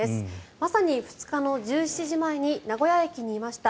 まさに２日の１７時前に名古屋駅にいました。